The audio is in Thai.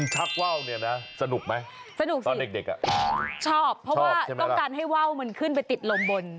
ชอบเพราะว่าต้องการให้ว่าวไปติดลมบน